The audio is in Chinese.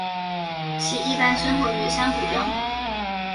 其一般生活于珊瑚礁。